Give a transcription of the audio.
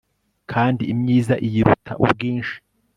kandi imyiza iyiruta ubwinshi